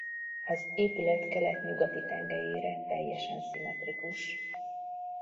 Az épület kelet-nyugati tengelyére teljesen szimmetrikus.